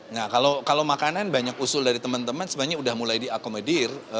nah kalau makanan banyak usul dari teman teman sebenarnya sudah mulai diakomodir